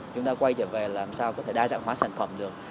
chúng ta quay trở về làm sao có thể đa dạng hóa sản phẩm được